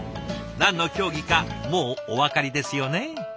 何の競技かもうお分かりですよね？